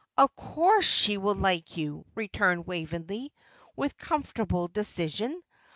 "Of course she will like you," returned Waveney, with comfortable decision.